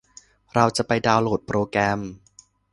เราจะไปดาวน์โหลดโปรแกรม